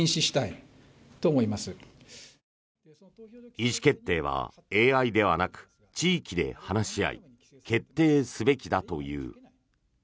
意思決定はＡＩではなく地域で話し合い決定すべきだという。